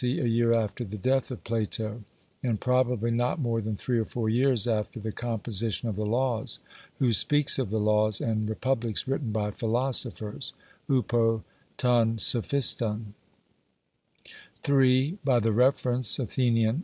a year after the death of Plato, and probably not more than three or four years after the composition of the Laws who speaks of the Laws and Republics written by philosophers (upo ton sophiston); (3) by the reference (Athen.)